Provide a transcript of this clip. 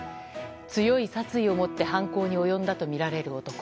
強い殺意を持って犯行に及んだとみられる男。